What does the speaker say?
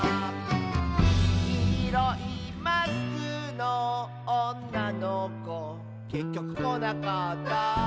「きいろいマスクのおんなのこ」「けっきょくこなかった」